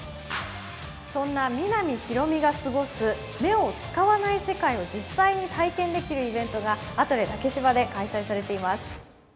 そんな皆実広見が過ごす、目を使わない世界を実際に体験できるイベントがアトレ竹芝で開催されています。